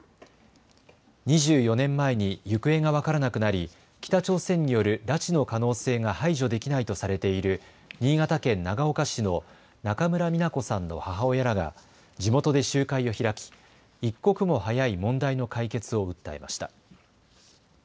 ２４年前に行方が分からなくなり北朝鮮による拉致の可能性が排除できないとされている新潟県長岡市の中村三奈子さんの母親らが地元で集会を開き一刻も早い問題の解決を訴えました。